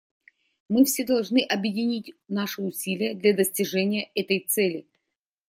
Мы все должны объединить наши усилия для достижения этой цели.